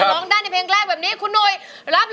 ร้องได้ในเพลงแรกแบบนี้คุณหนุ่ยรับเลย